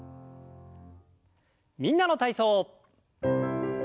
「みんなの体操」。